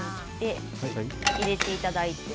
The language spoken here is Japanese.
入れていただいて。